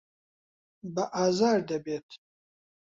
بە ئازار دەبێت.